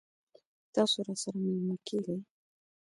تاسو راسره میلمه کیږئ؟